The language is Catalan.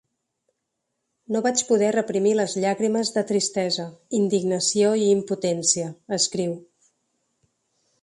No vaig poder reprimir les llàgrimes de tristesa, indignació i impotència, escriu.